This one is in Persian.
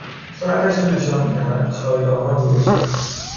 ساعتش را نشان میدهد شایعهها درست بود